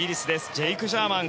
ジェイク・ジャーマン。